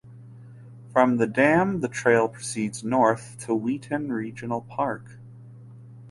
From the dam the trail proceeds north to Wheaton Regional Park.